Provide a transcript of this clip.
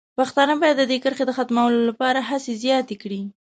پښتانه باید د دې کرښې د ختمولو لپاره هڅې زیاتې کړي.